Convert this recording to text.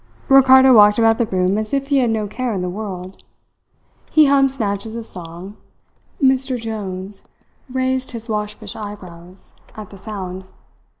Ricardo walked about the room as if he had no care in the world. He hummed snatches of song. Mr. Jones raised his waspish eyebrows, at the sound.